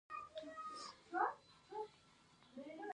ازادي راډیو د اټومي انرژي په اړه د حل کولو لپاره وړاندیزونه کړي.